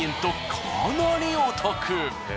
かなりお得！